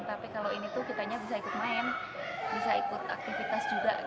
tapi kalau ini tuh kitanya bisa ikut main bisa ikut aktivitas juga